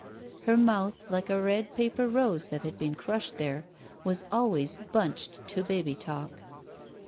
Her mouth, like a red paper rose that had been crushed there, was always btmched to baby talk.